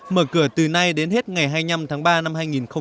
mở cửa từ nay đến hết ngày hai mươi năm tháng ba năm hai nghìn một mươi tám